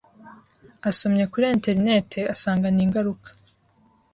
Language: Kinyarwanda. asomye kuri internet asanga ni ingaruka